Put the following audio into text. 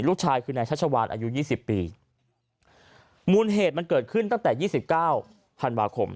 ลูกชายคือนายชัชวานอายุยี่สิบปีมูลเหตุมันเกิดขึ้นตั้งแต่ยี่สิบเก้าธันวาคม